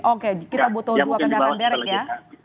oke kita butuh dua kendaraan derek ya